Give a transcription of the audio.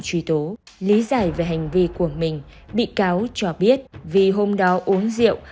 truy tố lý giải về hành vi của mình bị cáo cho biết vì hôm đó uống rượu